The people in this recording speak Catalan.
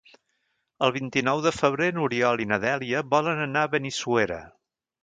El vint-i-nou de febrer n'Oriol i na Dèlia volen anar a Benissuera.